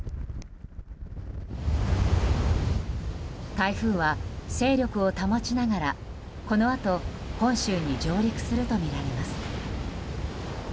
台風は勢力を保ちながらこのあと本州に上陸するとみられます。